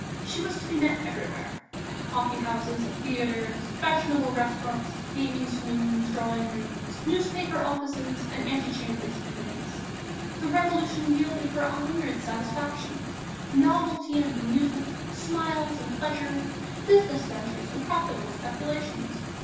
She was to be met everywhere, at coffee houses and theatres, fashionable restaurants, gaming saloons, drawing rooms, newspaper offices and ante chambers of Committees. The Revolution yielded her a hundred satisfactions, novelty and amusement, smiles and pleasures, business ventures and profitable speculations.